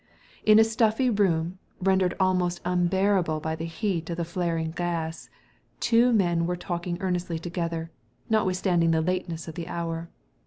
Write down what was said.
In a stuffy room, rendered almost unbearable by the heat of the flaring gas, two men were talking earnestly together, notwithstanding the lateness of the hour.